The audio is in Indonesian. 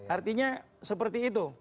artinya seperti itu